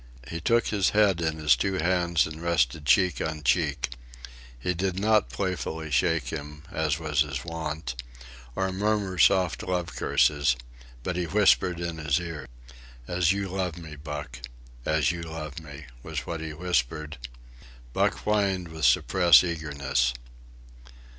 He took his head in his two hands and rested cheek on cheek. He did not playfully shake him, as was his wont, or murmur soft love curses; but he whispered in his ear. "As you love me, Buck. As you love me," was what he whispered. Buck whined with suppressed eagerness.